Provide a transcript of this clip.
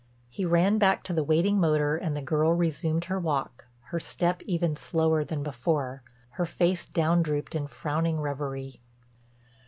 He ran back to the waiting motor and the girl resumed her walk, her step even slower than before, her face down drooped in frowning reverie.